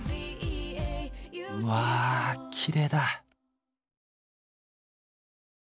うわきれいだ！